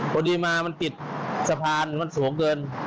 พอดีมามันปิดสะพานมันสูงเกิน